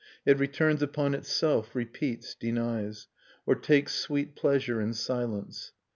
It returns upon itself, repeats, denies. Or takes sweet pleasure in silence.